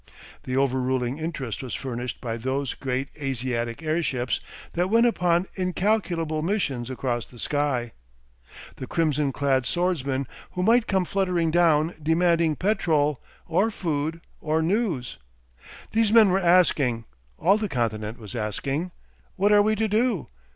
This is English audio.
The overruling interest was furnished by those great Asiatic airships that went upon incalculable missions across the sky, the crimson clad swordsmen who might come fluttering down demanding petrol, or food, or news. These men were asking, all the continent was asking, "What are we to do?